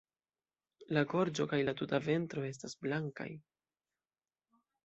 La gorĝo kaj la tuta ventro estas blankaj.